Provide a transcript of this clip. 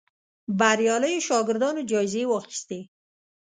بریالیو شاګردانو جایزې واخیستې